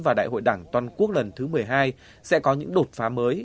và đại hội đảng toàn quốc lần thứ một mươi hai sẽ có những đột phá mới